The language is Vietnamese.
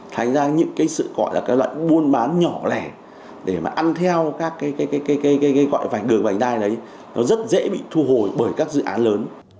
thành ra những cái sự gọi là cái loại buôn bán nhỏ lẻ để mà ăn theo các cái gọi vành đường vành đai đấy nó rất dễ bị thu hồi bởi các dự án lớn